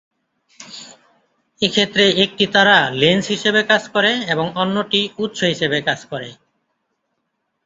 এক্ষেত্রে একটি তারা লেন্স হিসেবে কাজ করে এবং অন্যটি উৎস হিসেবে কাজ করে।